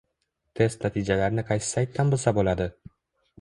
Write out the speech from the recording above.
test natijalarini qaysi saytdan bilsa bo'ladi?